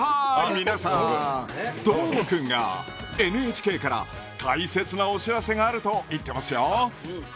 皆さん、どーもくんがＮＨＫから大切なお知らせがあると言っていますよ。